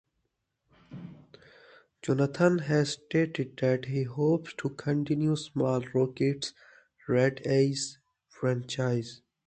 Jonathan has stated that he hopes to continue Small Rockets' "Red Ace" franchise.